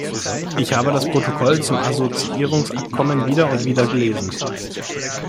Ich habe das Protokoll zum Assoziierungsabkommen wieder und wieder gelesen.